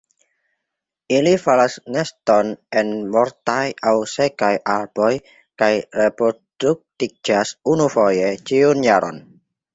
Ili faras neston en mortaj aŭ sekaj arboj kaj reproduktiĝas unufoje ĉiun jaron.